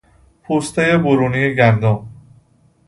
پوستهی برونی گندم